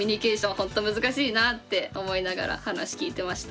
ほんと難しいなって思いながら話聞いてました。